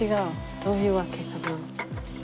どういうわけかな。